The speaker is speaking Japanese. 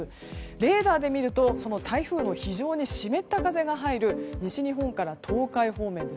レーダーで見ると台風の非常に湿った風が入る西日本から東海方面。